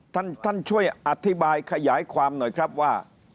ท่านท่านช่วยอธิบายขยายความหน่อยครับว่า